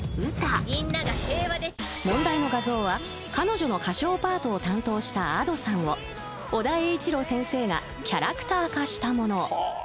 ［問題の画像は彼女の歌唱パートを担当したＡｄｏさんを尾田栄一郎先生がキャラクター化したもの］